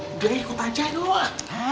udah ikut aja dong